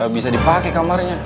bisa dipake kamarnya